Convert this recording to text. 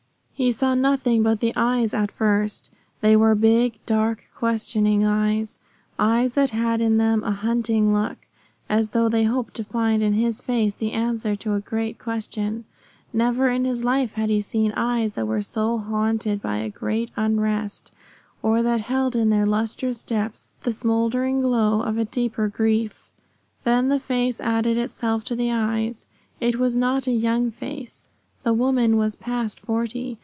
He saw nothing but the eyes at first. They were big, dark, questing eyes eyes that had in them a hunting look, as though they hoped to find in his face the answer to a great question. Never in his life had he seen eyes that were so haunted by a great unrest, or that held in their lustrous depths the smouldering glow of a deeper grief. Then the face added itself to the eyes. It was not a young face. The woman was past forty.